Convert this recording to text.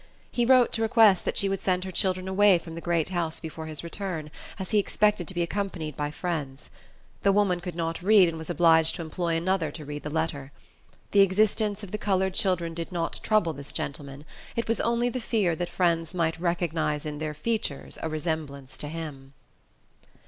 He wrote to request that she would send her children away from the great house before his return, as he expected to be accompanied by friends. The woman could not read, and was obliged to employ another to read the letter. The existence of the colored children did not trouble this gentleman, it was only the fear that friends might recognize in their features a resemblance to him.